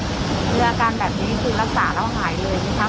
แล้วอาการแบบนี้คือรักษาแล้วหายเลยใช่ไหมครับ